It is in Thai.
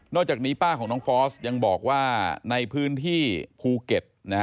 จากนี้ป้าของน้องฟอสยังบอกว่าในพื้นที่ภูเก็ต